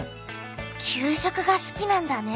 給食が好きなんだね。